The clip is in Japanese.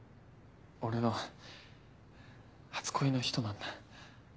俺の初恋の人なんだ。